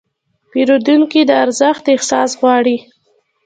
پیرودونکي د ارزښت احساس غواړي.